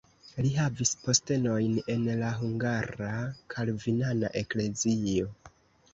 Li havis postenojn en la hungara kalvinana eklezio.